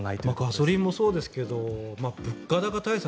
ガソリンもそうですけど物価高対策。